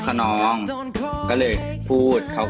หมาหนึ่งสดสอบ